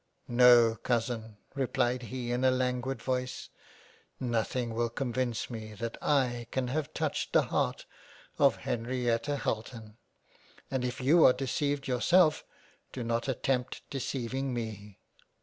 " No Cousin replied he in a languid voice, nothing will convince me that / can have touched the heart of Henrietta Halton, and if you are deceived yourself, do not attempt deceiving me."